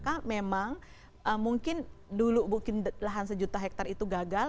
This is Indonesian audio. kalau lahan sejuta hektar itu gagal